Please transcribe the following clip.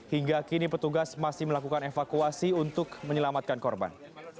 hingga kini petugas masih melakukan evakuasi untuk menyelamatkan korban